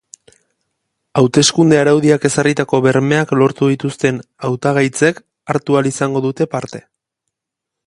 Hauteskunde araudiak ezarritako bermeak lortu dituzten hautagaitzek hartu ahal izango dute parte.